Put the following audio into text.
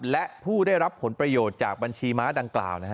และผู้ได้รับผลประโยชน์จากบัญชีม้าดังกล่าว